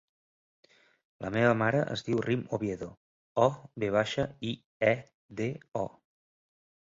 La meva mare es diu Rym Oviedo: o, ve baixa, i, e, de, o.